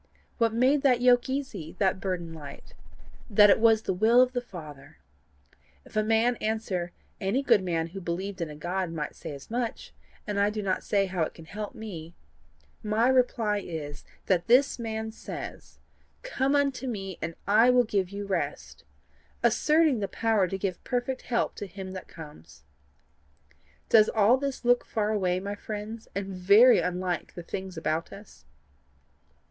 What made that yoke easy, that burden light? That it was the will of the Father. If a man answer: 'Any good man who believed in a God, might say as much, and I do not see how it can help me;' my reply is, that this man says, COME UNTO ME, AND I WILL GIVE YOU REST asserting the power to give perfect help to him that comes. Does all this look far away, my friends, and very unlike the things about us?